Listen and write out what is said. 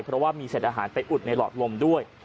เพราะว่ามีเศษอาหารไปอุดในหลอดลมด้วย